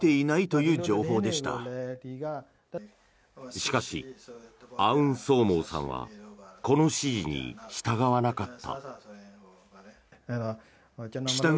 しかし、アウンソーモーさんはこの指示に従わなかった。